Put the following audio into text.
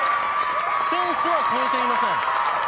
フェンスは越えていません。